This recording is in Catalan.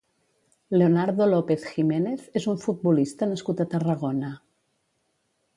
Leonardo López Jiménez és un futbolista nascut a Tarragona.